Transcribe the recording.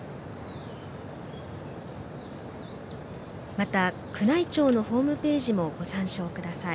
また、宮内庁のホームページもご参照ください。